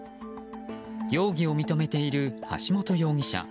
容疑を認めている橋本容疑者。